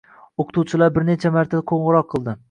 Oʻqituvchilari bir necha marta qoʻngʻiroq qildi.